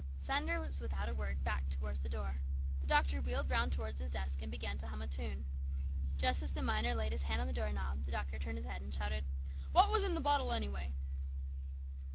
" Sanders without a word backed towards the door. The doctor wheeled round toward his desk and began to hum a tune. Just as the miner laid his hand on the door knob the doctor turned his head and shouted, " What was in the bottle, anyway